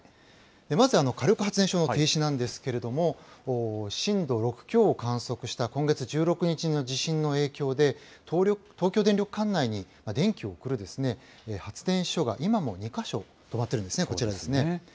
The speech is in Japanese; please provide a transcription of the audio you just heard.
まず、火力発電所の停止なんですけれども、震度６強を観測した今月１６日の地震の影響で、東京電力管内に電気を送る発電所が今も２か所止まっているんですね、こちらですね。